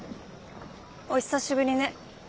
お久しぶりね。